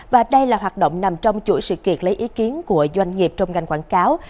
và đây là hoạt động nằm trong chuỗi sự kiện lấy ý kiến của doanh nghiệp trong ngành quảng cáo